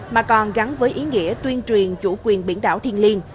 mà còn gắn với ý nghĩa tuyên truyền chủ quyền biển đảo thiên liên